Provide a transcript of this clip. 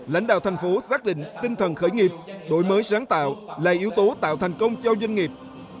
lãnh đạo thành phố xác định tinh thần khởi nghiệp đổi mới sáng tạo là yếu tố tạo thành công cho doanh nghiệp